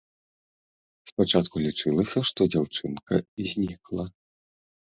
Спачатку лічылася, што дзяўчынка знікла.